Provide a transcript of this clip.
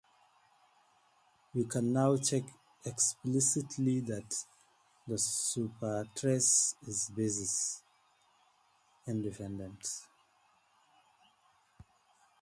We can now check explicitly that the supertrace is basis independent.